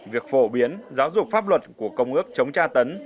việc phổ biến giáo dục pháp luật của công ước chống tra tấn